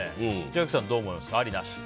千秋さんはどう思います？